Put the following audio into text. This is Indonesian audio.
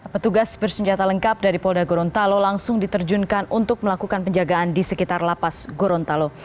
petugas bersenjata lengkap dari polda gorontalo langsung diterjunkan untuk melakukan penjagaan di sekitar lapas gorontalo